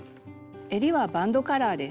えりはバンドカラーです。